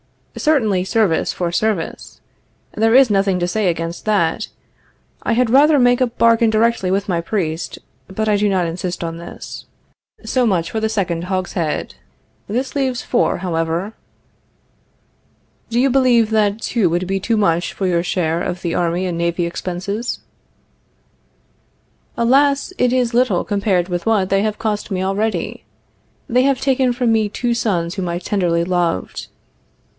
Certainly, service for service. There is nothing to say against that. I had rather make a bargain directly with my priest, but I do not insist on this. So much for the second hogshead. This leaves four, however. Do you believe that two would be too much for your share of the army and navy expenses? Alas, it is little compared with what they have cost me already. They have taken from me two sons whom I tenderly loved.